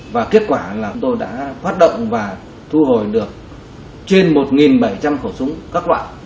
và kết quả là chúng tôi đã phát động và thu hồi được trên một bảy trăm linh khẩu súng các loại